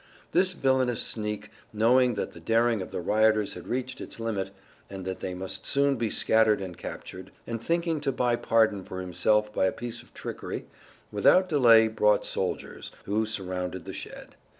This villainous sneak, knowing that the daring of the rioters had reached its limit, and that they must soon be scattered and captured, and thinking to buy pardon for himself by a piece of treachery, without delay brought soldiers, who surrounded the shed.